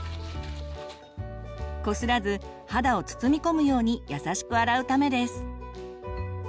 こすらず肌を包みこむようにやさしく洗うためです。